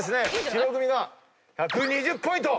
白組が１２０ポイント。